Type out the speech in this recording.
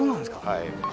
はい。